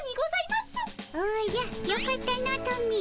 おじゃよかったのトミー。